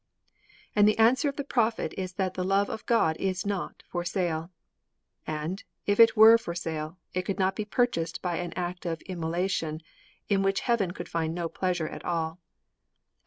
And the answer of the prophet is that the love of God is not for sale. And, if it were for sale, it could not be purchased by an act of immolation in which heaven could find no pleasure at all.